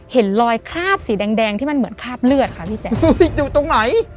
เห็นรอยคราบสีแดงแดงที่มันเหมือนคราบเลือดค่ะพี่แจ๊คอยู่ตรงไหน